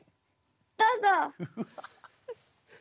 どうぞ！